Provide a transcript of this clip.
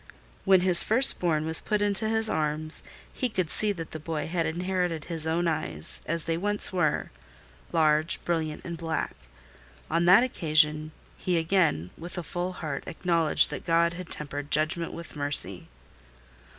When his first born was put into his arms, he could see that the boy had inherited his own eyes, as they once were—large, brilliant, and black. On that occasion, he again, with a full heart, acknowledged that God had tempered judgment with mercy.